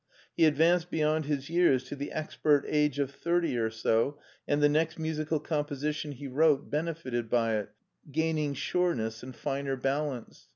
He advanced beyond his years to the expert age of thirty or so, and the next musical composition he wrote benefited by it, gaining sureness and finer balance.